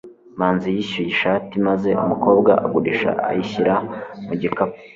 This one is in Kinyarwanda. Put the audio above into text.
manzi yishyuye ishati maze umukobwa ugurisha ayishyira mu gikapu